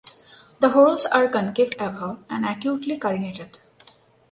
The whorls are concave above and acutely carinated.